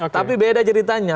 tapi beda ceritanya